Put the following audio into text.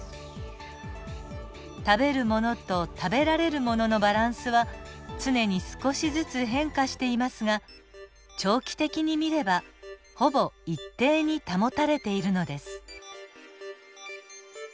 食べるものと食べられるもののバランスは常に少しずつ変化していますが長期的に見ればほぼ一定に保たれているのです。